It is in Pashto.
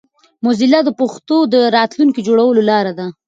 موزیلا د پښتو د راتلونکي جوړولو لاره ده.